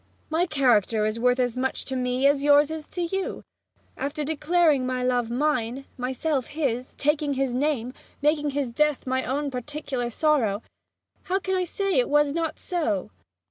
My character is worth as much to me as yours is to you! After declaring my Love mine, myself his, taking his name, making his death my own particular sorrow, how can I say it was not so?